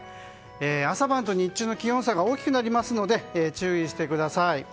朝晩と日中の気温差が大きくなりますので注意してください。